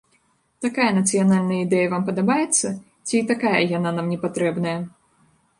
Такая нацыянальная ідэя вам падабаецца ці і такая яна нам не патрэбная?